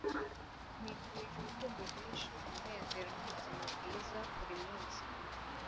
nkwifurije urukundo rwinshi, umunezero, nubuzima bwiza buri munsi